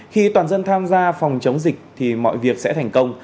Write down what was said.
khi toàn dân tham gia phòng chống dịch thì mọi việc sẽ thành công